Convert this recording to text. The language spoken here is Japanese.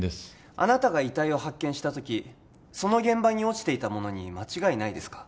あなたが遺体を発見したときその現場に落ちていたものに間違いないですか？